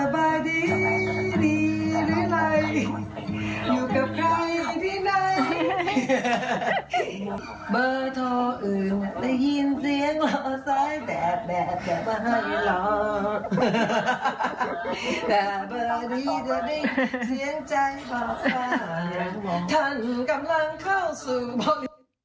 บอดี้ดอดี้เสียงใจฝากฝารังหวังทันกำลังเข้าสู่บริ